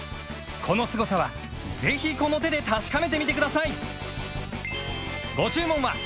このすごさはぜひこの手で確かめてみてください